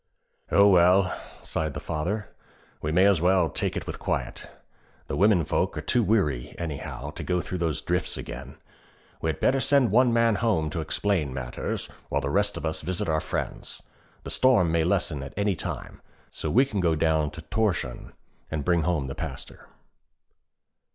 'Oh, well,' sighed the father, 'we may as well "take it with quiet." The women folk are too weary, anyhow, to go through those drifts again. We had better send one man home to explain matters, while the rest of us visit our friends. The storm may lessen at any time, so we can go to Thorshavn and bring home the Pastor.'